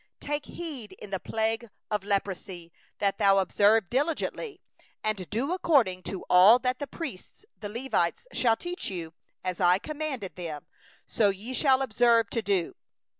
8Take heed in the plague of leprosy, that thou observe diligently, and do according to all that the priests the Levites shall teach you, as I commanded them, so ye shall observe to do.